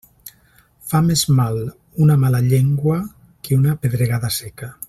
Fa més mal una mala llengua que una pedregada seca.